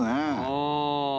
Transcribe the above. うん。